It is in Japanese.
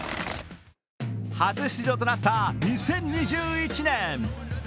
初出場となった２０２１年。